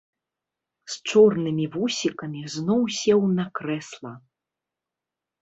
З чорнымі вусікамі зноў сеў на крэсла.